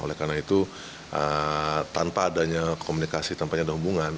oleh karena itu tanpa adanya komunikasi tanpa ada hubungan